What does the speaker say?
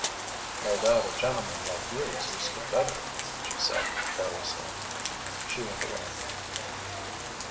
"No doubt a gentleman like you is used to better," she said carelessly. She went away.